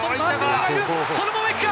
このままいくか？